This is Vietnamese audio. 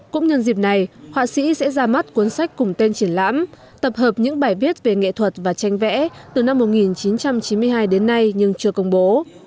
cũng nhân dịp này họa sĩ sẽ ra mắt cuốn sách cùng tên triển lãm tập hợp những bài viết về nghệ thuật và tranh vẽ từ năm một nghìn chín trăm chín mươi hai đến nay nhưng chưa công bố